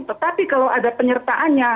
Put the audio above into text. tetapi kalau ada penyertaannya